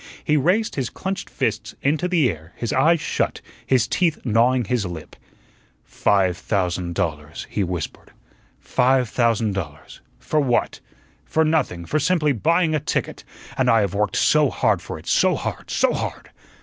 He raised his clenched fists into the air, his eyes shut, his teeth gnawing his lip. "Five thousand dollars," he whispered; "five thousand dollars. For what? For nothing, for simply buying a ticket; and I have worked so hard for it, so hard, so hard.